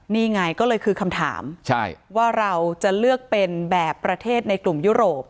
นี่ไงก็เลยคือคำถามว่าเราจะเลือกเป็นแบบประเทศในกลุ่มยุโรป